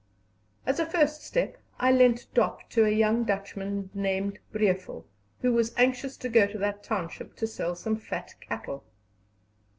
As a first step I lent Dop to a young Dutchman named Brevel, who was anxious to go to that township to sell some fat cattle.